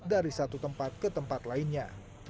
dari satu tempat ke tempat lainnya